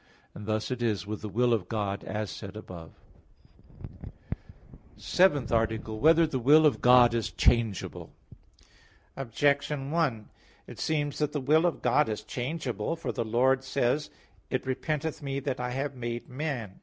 And thus it is with the will of God, as said above. _______________________ SEVENTH ARTICLE [I, Q. 19, Art. 7] Whether the Will of God Is Changeable? Objection 1: It seems that the will of God is changeable. For the Lord says (Gen. 6:7): "It repenteth Me that I have made man."